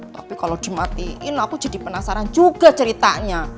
tapi kalau dimatiin aku jadi penasaran juga ceritanya